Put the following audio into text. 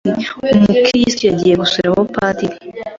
umukristu yagiye gusura abapadiri